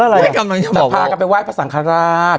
กลัวกันไปไหว้พระสังครราช